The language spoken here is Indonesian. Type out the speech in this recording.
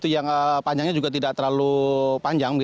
yang panjangnya juga tidak terlalu panjang